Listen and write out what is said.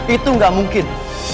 itu gak mungkin